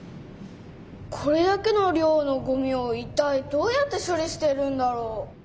これだけの量のごみをいったいどうやって処理してるんだろう？